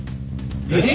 えっ！？